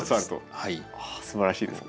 すばらしいですね。